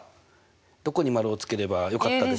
どこに丸をつければよかったでしょうか。